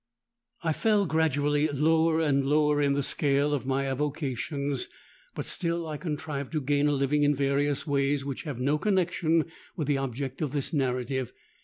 "I fell gradually lower and lower in the scale of my avocations; but still I contrived to gain a living in various ways which have no connexion with the object of this narrative.